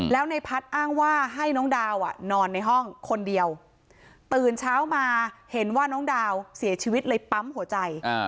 แล้วในพัฒน์อ้างว่าให้น้องดาวนอนในห้องคนเดียวตื่นเช้ามาเห็นว่าน้องดาวเสียชีวิตเลยปั๊มหัวใจ